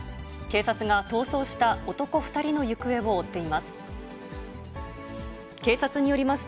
警察が逃走した男２人の行方を追っています。